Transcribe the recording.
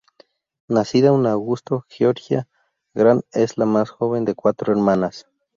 Nacida en Augusta, Georgia, Grant es la más joven de cuatro hermanas.